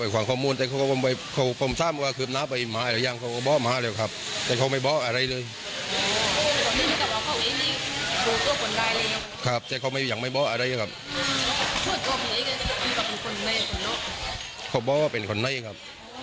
เขาบอกว่าเป็นคนในครับ